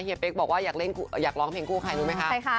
เฮียเป๊กบอกว่าอยากร้องเพลงผู้ใครรู้มั้ยคะ